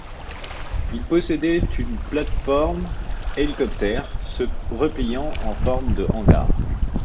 Il possédait une plate-forme hélicoptère se repliant en forme de hangar.